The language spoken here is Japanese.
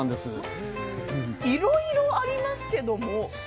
いろいろありますけれども。